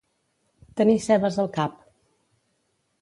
Tenir cebes al cap.